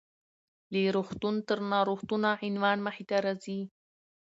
له روغتون تر ناروغتونه: عنوان مخې ته راځي .